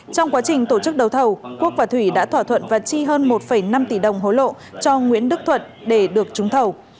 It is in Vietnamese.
trong quá trình tổ chức đấu thầu quốc và thủy đã thỏa thuận và chi hơn một năm tỷ đồng hối lộ cho nguyễn đức thuận để được trúng thầu